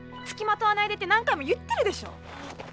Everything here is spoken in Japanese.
つきまとわないでって何回も言ってるでしょ。